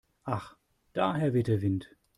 Ach daher weht der Wind.